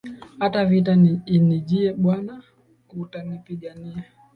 Hata vita inijie, bwana utanipigania.